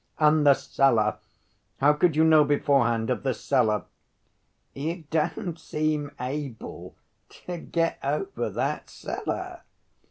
"And the cellar? How could you know beforehand of the cellar?" "You don't seem able to get over that cellar!